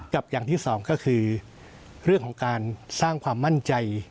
อย่างที่สองก็คือเรื่องของการสร้างความมั่นใจ